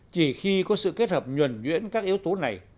chỉ khi có sự kết hợp nhuẩn nhuyễn các yếu tố này